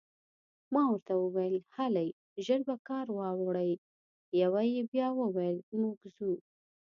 ما ورته وویل: هلئ، ژر په کار واوړئ، یوه یې بیا وویل: موږ ځو.